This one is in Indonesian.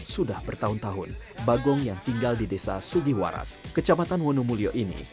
sudah bertahun tahun bagong yang tinggal di desa sugihwaras kecamatan wonomulyo ini